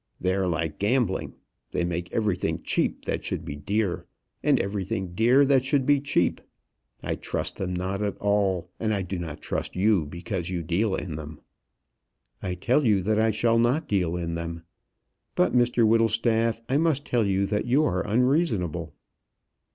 They are like gambling. They make everything cheap that should be dear, and everything dear that should be cheap. I trust them not at all, and I do not trust you, because you deal in them." "I tell you that I shall not deal in them. But, Mr Whittlestaff, I must tell you that you are unreasonable."